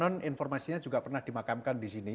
karena informasinya juga pernah dimakamkan di sini